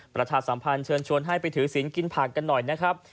ประชาสัมพันธ์เชิญชวนให้ไปถือศิลปกินผักกันหน่อยนะครับ